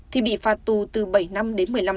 thì bị phạt tù từ bảy năm đến một mươi năm tù